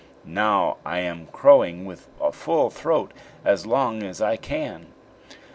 Now I am crowing with a full throat as long as I can."